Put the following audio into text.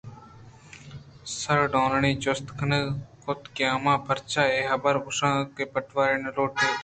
سارڈونی ءَجست کُت کہ من پرچہ اے حبر گوٛشتگ کہ پٹواری نہ لوٹیت